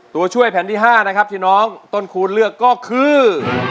ตัวช่วยแผ่นที่๕นะครับที่น้องต้นคูณเลือกก็คือ